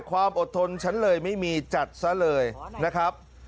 ความอดทนฉันเลยไม่มีจัดซะเลยนะครับ